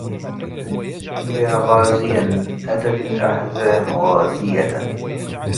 يا غازيا أتت الأحزان غازية